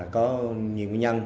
có nhiều nguyên nhân